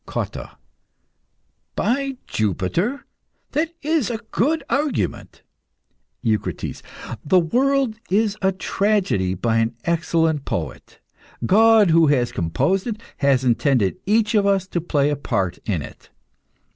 COTTA. By Jupiter? that is a good argument. EUCRITES. The world is a tragedy by an excellent poet. God, who composed it, has intended each of us to play a part in it.